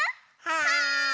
はい！